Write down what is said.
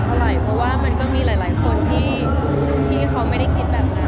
เพราะว่ามันก็มีหลายคนที่เขาไม่ได้คิดแบบนั้น